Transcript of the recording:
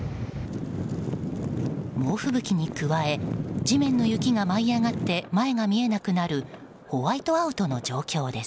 猛吹雪に加え地面の雪が舞い上がって前が見えなくなるホワイトアウトの状況です。